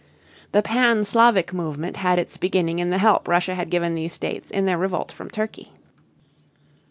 The pan Slavic movement had its beginning in the help Russia had given these states in their revolt from Turkey.